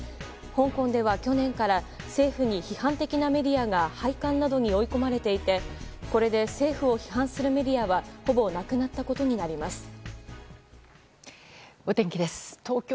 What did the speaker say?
香港では去年から政府に批判的なメディアが廃刊などに追い込まれていてこれで政府を批判するメディアはほぼなくなったことになります。